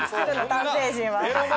男性陣は。